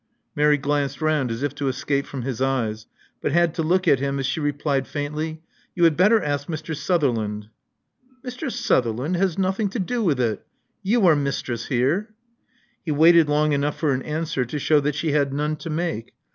Mary glanced round as if to escape from his eyes, but had to look at him as she replied faintly, *'You had better ask Mr. Sutherland." Mr. Sutherland has nothing to do with it. You are mistress here." He waited long enough for an answer to shew that she had none to make.